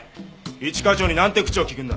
一課長になんて口を利くんだ。